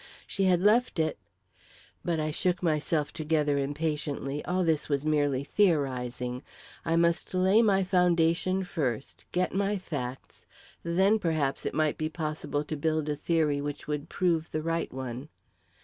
She had left it But I shook myself together impatiently. All this was merely theorising; I must lay my foundation first, get my facts; then perhaps it might be possible to build a theory which would prove the right one.